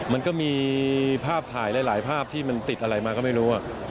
มันก็มีภาพถ่ายหลายภาพที่มันติดอะไรมาก็ไม่รู้